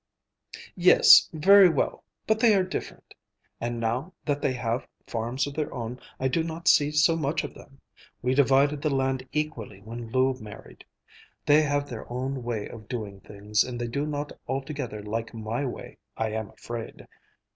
"Yes, very well; but they are different, and now that they have farms of their own I do not see so much of them. We divided the land equally when Lou married. They have their own way of doing things, and they do not altogether like my way, I am afraid.